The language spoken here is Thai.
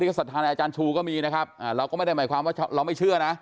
ที่โทษภาษาอาจารย์ชูก็มีเราก็ไม่ได้หมายความว่าเราไม่เชื่อ